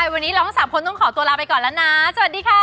วันนี้เราทั้งสามคนต้องขอตัวลาไปก่อนแล้วนะสวัสดีค่ะ